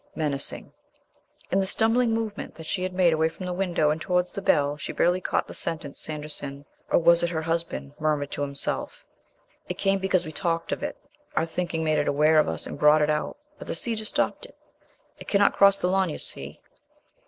menacing. In the stumbling movement that she made away from the window and towards the bell she barely caught the sentence Sanderson or was it her husband? murmured to himself: "It came because we talked of it; our thinking made it aware of us and brought it out. But the cedar stops it. It cannot cross the lawn, you see...."